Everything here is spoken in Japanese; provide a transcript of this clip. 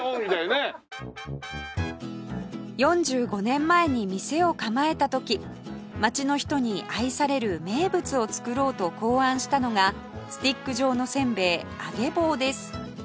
４５年前に店を構えた時町の人に愛される名物を作ろうと考案したのがスティック状のせんべい揚げ棒です